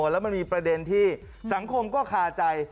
แล้วมันมีประเด็นที่สังคมก็คาใจ